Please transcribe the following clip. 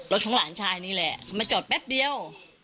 ของหลานชายนี่แหละเขามาจอดแป๊บเดียว